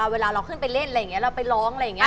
เวลาเราขึ้นไปเล่นอะไรอย่างนี้เราไปร้องอะไรอย่างนี้